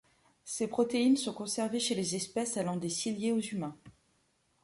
Ces protéines sont conservées chez les espèces allant des ciliés aux humains.